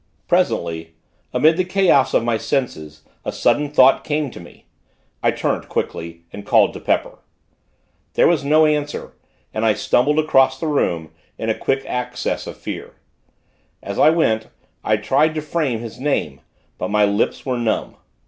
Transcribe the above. Presently, amid the chaos of my senses, a sudden thought came to me; I turned, quickly, and called to Pepper. There was no answer, and I stumbled across the room, in a quick access of fear. As I went, I tried to frame his name; but my lips were numb.